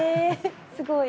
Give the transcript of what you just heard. すごい！